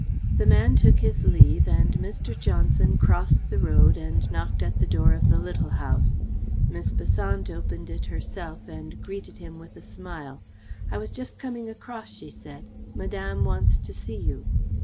The man took his leave and Mr. Johnson crossed the road and knocked at the door of the Little House. Miss Besant opened it herself and greeted him with a smile. "I was just coming across," she said. "Madame wants to see you."